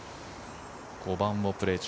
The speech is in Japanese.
５番をプレー中。